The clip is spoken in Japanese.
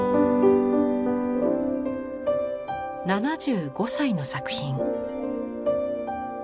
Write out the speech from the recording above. ７５歳の作品。